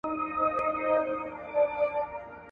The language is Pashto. د رحمان بابا په شعر کې تاکېدي جملې ولې راغلې دي؟